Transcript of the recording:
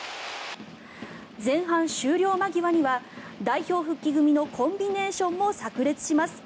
前半終了間際には代表復帰組のコンビネーションもさく裂します。